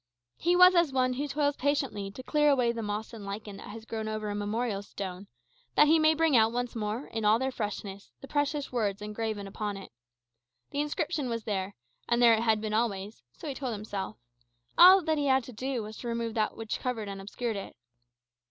He was as one who toils patiently to clear away the moss and lichen that has grown over a memorial stone; that he may bring out once more, in all their freshness, the precious words engraven upon it. The inscription was there, and there it had been always (so he told himself); all that he had to do was to remove that which covered and obscured it.